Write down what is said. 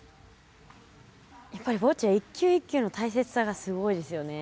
やっぱりボッチャは一球一球の大切さがすごいですよね。